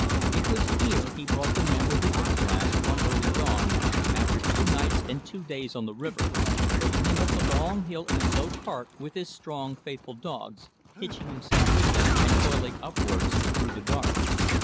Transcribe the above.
It was here he brought the man with the eye glass one early dawn, after two nights and two days on the river, pulling him up the long hill in a low cart with his strong faithful dogs, hitching himself with them and toiling upwards through the dark.